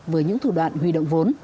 với những thủ đoạn huy động vốn